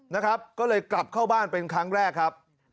นะครับก็เลยกลับเข้าบ้านเป็นครั้งแรกครับ